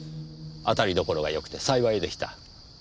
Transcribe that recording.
当たりどころが良くて幸いでした。